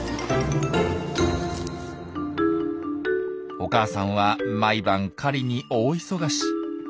お母さんは毎晩狩りに大忙し。